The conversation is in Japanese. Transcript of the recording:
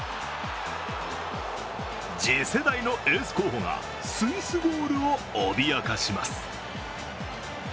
次世代のエース候補がスイスゴールを脅かします。